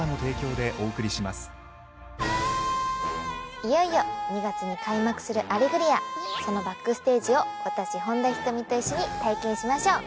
いよいよ２月に開幕する『アレグリア』そのバックステージを私本田仁美と一緒に体験しましょう。